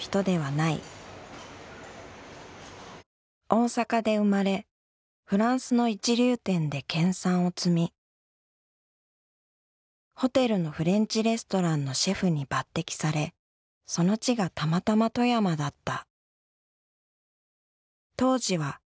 大阪で生まれフランスの一流店で研鑽を積みホテルのフレンチレストランのシェフに抜擢されその地がたまたま富山だった。